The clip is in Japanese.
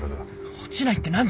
落ちないって何で。